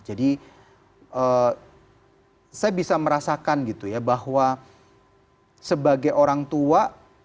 jadi saya bisa merasakan gitu ya bahwa sebagai orang tua